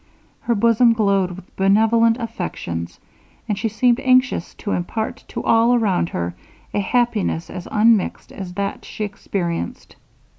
Her bosom glowed with benevolent affections; and she seemed anxious to impart to all around her, a happiness as unmixed as that she experienced.